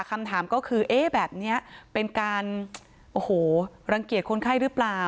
คำถามก็คือเอ๊ะแบบนี้เป็นการโอ้โหรังเกียจคนไข้หรือเปล่า